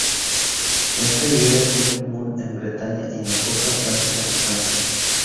Esta higuera es muy común en Bretaña y en la costa atlántica de Francia.